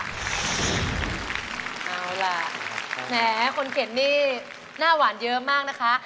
เอาล่ะแหมคนเข็ดนี่หน้าหวานเยอะมากนะคะ